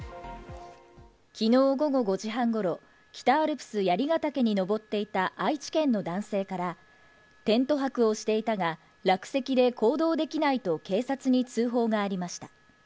昨日午後５時半頃、北アルプス槍ヶ岳に登っていた愛知県の男性から、テント泊をしていたが、落石で行動できないと警察に通報がありました。